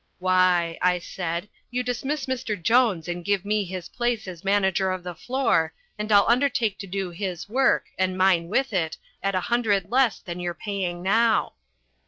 "Why," I said, "you dismiss Mr. Jones and give me his place as manager of the floor, and I'll undertake to do his work, and mine with it, at a hundred less than you're paying now."